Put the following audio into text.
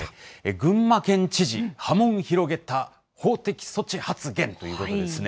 群馬県知事、波紋広げた法的措置発言ということですね。